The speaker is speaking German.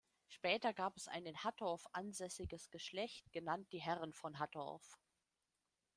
Später gab es ein in Hattorf ansässiges Geschlecht, genannt die Herren von Hattorf.